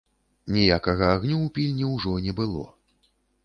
Ніякага агню ў пільні ўжо не было.